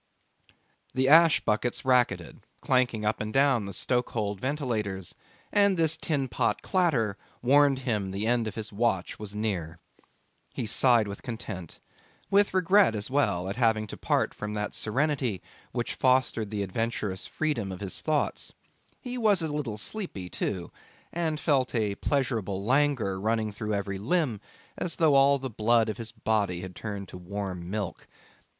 The ash buckets racketed, clanking up and down the stoke hold ventilators, and this tin pot clatter warned him the end of his watch was near. He sighed with content, with regret as well at having to part from that serenity which fostered the adventurous freedom of his thoughts. He was a little sleepy too, and felt a pleasurable languor running through every limb as though all the blood in his body had turned to warm milk.